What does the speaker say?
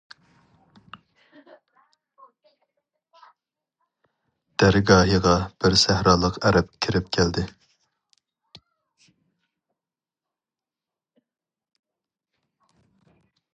دەرگاھىغا بىر سەھرالىق ئەرەب كىرىپ كەلدى.